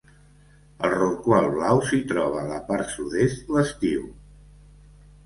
El rorqual blau s'hi troba a la part sud-est l'estiu.